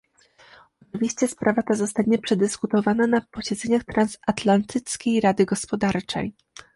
Oczywiście sprawa ta zostanie przedyskutowana na posiedzeniach Transatlantyckiej Rady Gospodarczej